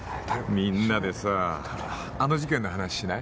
みんなでさあの事件の話しない？